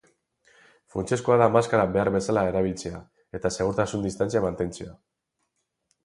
Funtsezkoa da maskara behar bezala erabiltzea eta segurtasun-distantzia mantentzea.